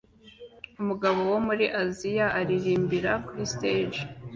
Umugabo wo muri Aziya aririmbira kuri stage